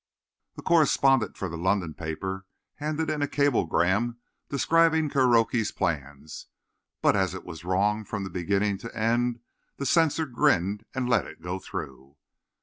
The correspondent for the London paper handed in a cablegram describing Kuroki's plans; but as it was wrong from beginning to end the censor grinned and let it go through.